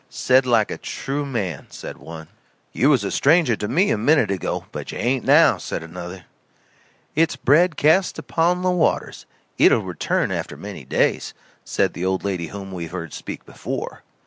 "Said like a true man," said one. "You was a stranger to me a minute ago, but you ain't now," said another. "It's bread cast upon the waters it'll return after many days," said the old lady whom we have heard speak before.